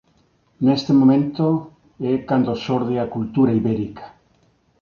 Neste momento é cando xorde a cultura ibérica.